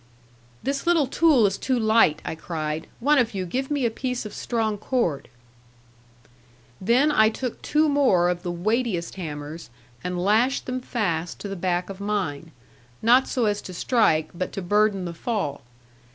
'This little tool is too light,' I cried; 'one of you give me a piece of strong cord.' Then I took two more of the weightiest hammers, and lashed them fast to the back of mine, not so as to strike, but to burden the fall.